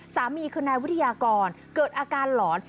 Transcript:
สามีคือนายวิทยากรเกิดอาการหลอน